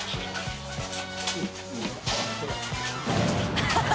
ハハハ